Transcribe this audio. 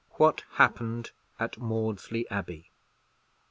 WHAT HAPPENED AT MAUDESLEY ABBEY.